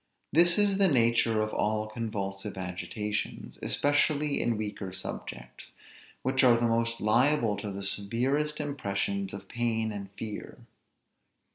This is the nature of all convulsive agitations, especially in weaker subjects, which are the most liable to the severest impressions of pain and fear.